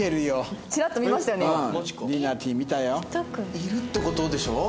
いるって事でしょ？